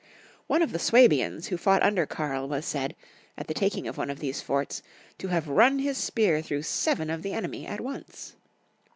One of the Swabians who fought under Karl was said, at the taking of one of these forts, to have run liis spear through seven of the enemy, at once!